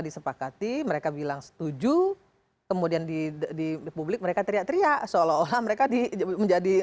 disepakati mereka bilang setuju kemudian di publik mereka teriak teriak seolah olah mereka di menjadi